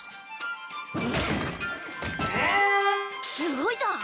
動いた！